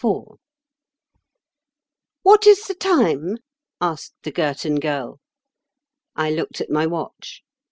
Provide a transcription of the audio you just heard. IV "WHAT is the time?" asked the Girton Girl. I looked at my watch.